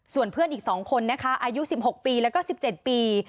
ส่วนเพื่อนอีก๒คนนะคะอายุ๑๖ปีแล้วก็๑๗ปี